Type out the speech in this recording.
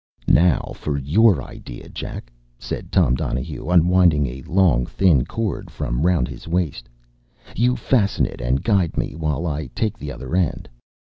“Now for your idea, Jack!” said Tom Donahue, unwinding a long thin cord from round his waist. “You fasten it, and guide me while I take the other end.